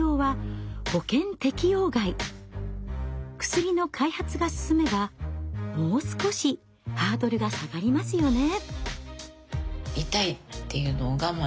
薬の開発が進めばもう少しハードルが下がりますよね。